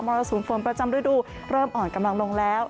รสุมฝนประจำฤดูเริ่มอ่อนกำลังลงแล้ว